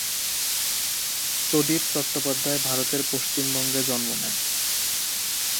প্রদীপ চট্টোপাধ্যায় ভারতের পশ্চিমবঙ্গে জন্ম নেন।